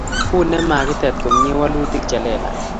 uni makitet komye wolutik che lelach